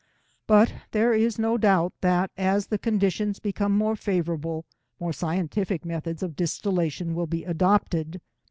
But there is no doubt that, as the conditions become more favourable, more scientific methods of distillation will be adopted.